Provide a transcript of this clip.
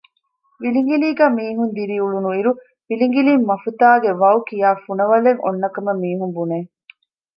ވިލިގިލީގައި މީހުން ދިރިއުޅުނު އިރު ވިލިގިލީ މަފުތާގެ ވައު ކިޔާ ފުނަވަލެއް އޮންނަކަމަށް މީހުން ބުނެ